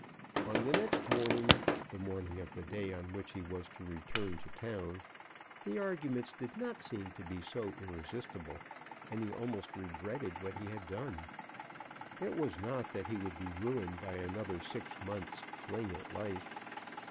On the next morning, the morning of the day on which he was to return to town, the arguments did not seem to be so irresistible, and he almost regretted what he had done. It was not that he would be ruined by another six months' fling at life.